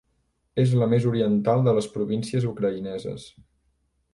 És la més oriental de les províncies ucraïneses.